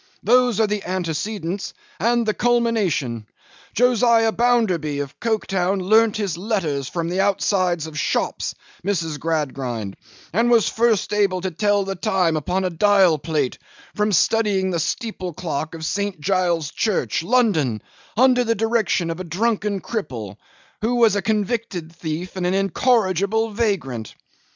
Those are the antecedents, and the culmination. Josiah Bounderby of Coketown learnt his letters from the outsides of the shops, Mrs. Gradgrind, and was first able to tell the time upon a dial plate, from studying the steeple clock of St. Giles's Church, London, under the direction of a drunken cripple, who was a convicted thief, and an incorrigible vagrant.